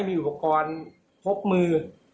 มีวิวปกรณ์พบมือ